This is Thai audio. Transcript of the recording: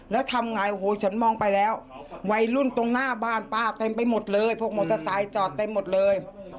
แล้วทำไงโอ้โหฉันมองไปแล้ววัยรุ่นตรงหน้าบ้านป้าเต็มไปหมดเลยพวกมอเตอร์ไซค์จอดเต็มหมดเลย